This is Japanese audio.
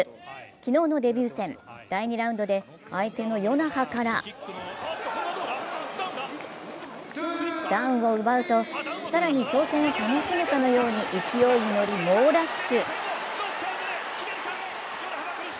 昨日のデビュー戦、第２ラウンドで相手の与那覇からダウンを奪うと、更に挑戦を楽しむかのように勢いに乗り猛ラッシュ。